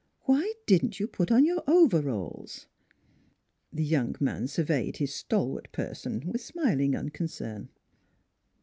" Why didn't you put on your overalls? " The young man surveyed his stalwart person with smiling unconcern.